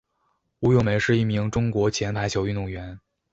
吴咏梅是一名中国前排球运动员。